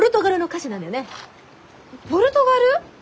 ポルトガル！？